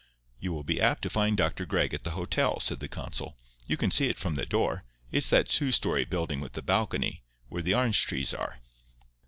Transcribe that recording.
"You will be apt to find Dr. Gregg at the hotel," said the consul. "You can see it from the door—it's that two story building with the balcony, where the orange trees are."